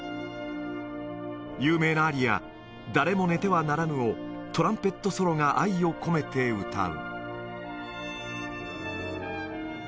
有名なアリア、誰も寝てはならぬを、トランペットソロが愛を込めて歌う。